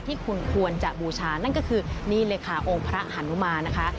ที่คุณควรจะบูชานั่นก็คือนี่เลยค่ะองค์พระหานุมานนะคะ